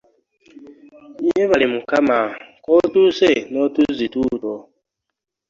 Yeebale mukama k'otuuse n'ituzzi tutwo.